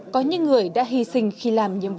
có những người đã hy sinh khi làm nhiệm vụ